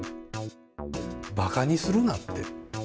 ばかにするなって。